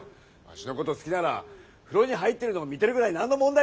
わしの事好きなら風呂に入ってるのを見てるぐらい何の問題もないだろう！